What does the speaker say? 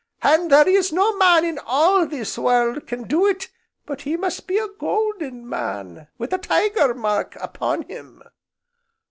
And there is no man in all this world can do it but he must be a golden man wi' the Tiger mark upon him."